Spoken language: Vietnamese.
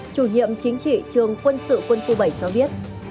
chủ nhiệm chính trị trường quân sự quân khu bảy cho biết